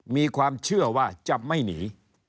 มีความเชื่อว่าจะไม่หนี